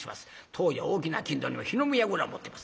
当時は大きな商人にも火の見櫓を持ってます。